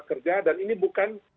kerja dan ini bukan